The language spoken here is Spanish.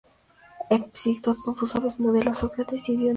Epicteto propuso dos modelos: Sócrates y Diógenes.